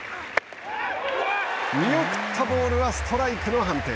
見送ったボールはストライクの判定。